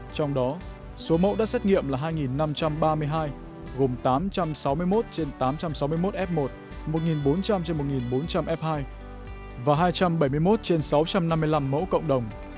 trong đó số mẫu đã xét nghiệm là hai năm trăm ba mươi hai gồm tám trăm sáu mươi một trên tám trăm sáu mươi một f một một bốn trăm linh trên một bốn trăm linh f hai và hai trăm bảy mươi một trên sáu trăm năm mươi năm mẫu cộng đồng